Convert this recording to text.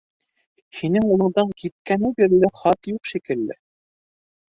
— Һинең улыңдан киткәне бирле хат юҡ шикелле?